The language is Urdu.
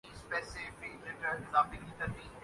مجھے کس جرم میں مار ڈالا گیا؟